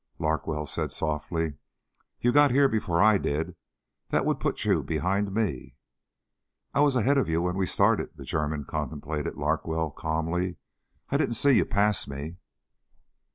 Larkwell said softly: "You got here before I did. That would put you behind me." "I was ahead of you when we started." The German contemplated Larkwell calmly. "I didn't see you pass me."